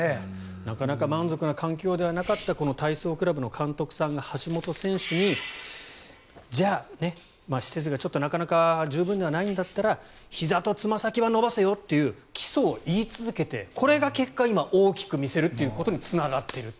なかなか満足な環境ではなかった体操クラブの監督さんが橋本選手に、じゃあ施設がなかなか十分じゃないんだったらひざとつま先は伸ばせよという基礎を言い続けてこれが結果、今大きく見せるということにつながっていると。